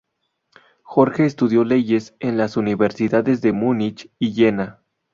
Jorge estudió leyes en las Universidades de Múnich y Jena.